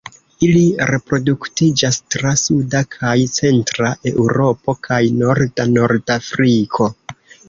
Ili reproduktiĝas tra suda kaj centra Eŭropo kaj norda Nordafriko.